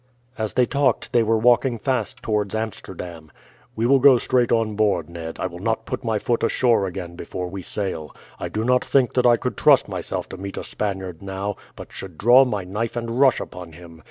As they talked they were walking fast towards Amsterdam. "We will go straight on board, Ned; and I will not put my foot ashore again before we sail. I do not think that I could trust myself to meet a Spaniard now, but should draw my knife and rush upon him.